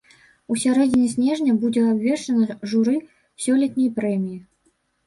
У сярэдзіне снежня будзе абвешчана журы сёлетняй прэміі.